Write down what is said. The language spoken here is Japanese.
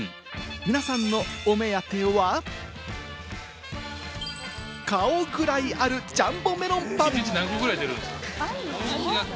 皆さんのお目当ては、顔ぐらいあるジャンボメロンパン。